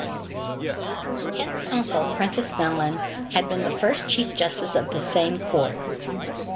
Kent's uncle Prentiss Mellen had been the first Chief Justice of the same court.